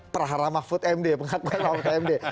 praharama food md pengaturan mahal md